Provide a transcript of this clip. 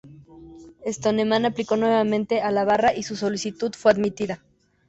Stoneman aplicó nuevamente a la Barra y su solicitud fue admitida.